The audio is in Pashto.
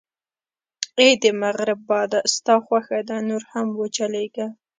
اې د مغرب باده، ستا خوښه ده، نور هم و چلېږه.